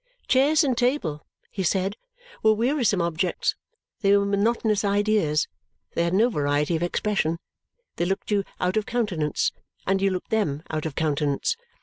Chairs and table, he said, were wearisome objects; they were monotonous ideas, they had no variety of expression, they looked you out of countenance, and you looked them out of countenance.